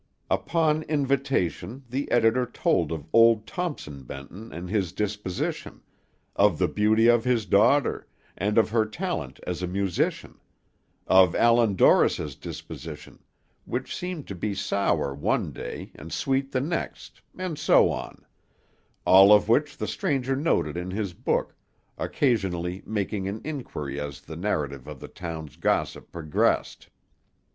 Upon invitation the editor told of old Thompson Benton and his disposition; of the beauty of his daughter, and of her talent as a musician; of Allan Dorris's disposition, which seemed to be sour one day, and sweet the next, and so on; all of which the stranger noted in his book, occasionally making an inquiry as the narrative of the town's gossip progressed.